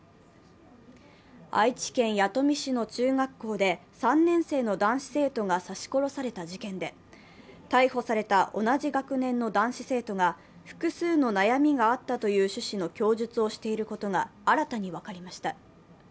愛知県弥富市の中学校で３年生の男子生徒が刺し殺された事件で、逮捕された同じ学年の男子生徒が複数の悩みがあったという趣旨の供述をしていることが新たに分かりました。